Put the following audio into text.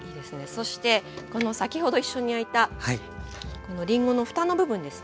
そして先ほど一緒に焼いたこのりんごのふたの部分ですね